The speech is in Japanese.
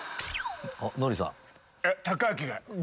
ノリさん。